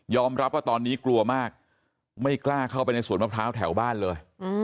รับว่าตอนนี้กลัวมากไม่กล้าเข้าไปในสวนมะพร้าวแถวบ้านเลย